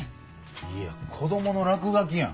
いや子供の落書きやん。